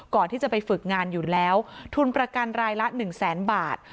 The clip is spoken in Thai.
ก่อนที่จะไปฝึกงานอยู่แล้วทุนประกันรายละ๑แสนบาท